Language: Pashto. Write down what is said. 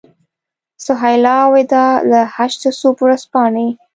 سهیلا وداع له هشت صبح ورځپاڼې.